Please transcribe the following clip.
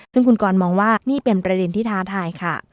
ซึ่งคุณกรมองว่านี่เป็นประเด็นที่ท้าทายค่ะ